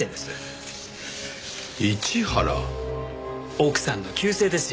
奥さんの旧姓ですよ。